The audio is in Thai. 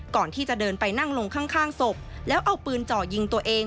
ก่อนที่จะเดินไปนั่งลงข้างศพแล้วเอาปืนเจาะยิงตัวเอง